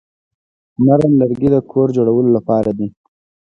نرم لرګي د کور جوړولو لپاره دي.